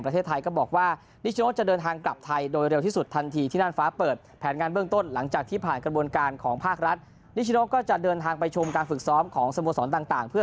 ที่จะใช้ในโทรเมนต์สำคัญในอนาคต